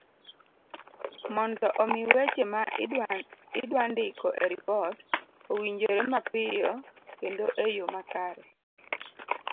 mondo omi weche ma idwa ndiko e ripot owinjore mapiyo kendo e yo makare